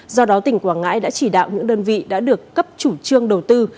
do đó tỉnh quảng ngãi đã chỉ đạo những đơn vị đã được cấp chủ trương đầu tư